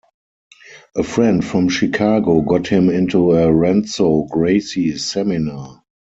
A friend from Chicago got him into a Renzo Gracie seminar.